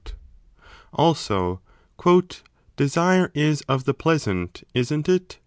Also desire is of the pleasant, isn t it